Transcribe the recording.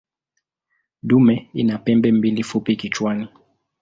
Dume ina pembe mbili fupi kichwani.